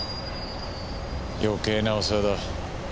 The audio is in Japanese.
余計なお世話だ。